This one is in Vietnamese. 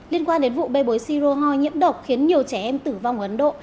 liên quan đến vụ bê bối si rô hoi nhiễm độc khiến nhiều trẻ em tử vong ở ấn độ